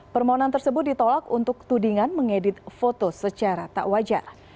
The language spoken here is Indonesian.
permohonan tersebut ditolak untuk tudingan mengedit foto secara tak wajar